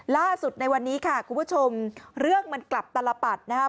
ล่าสุดในวันนี้ค่ะคุณผู้ชมเรื่องมันกลับตลปัดนะครับ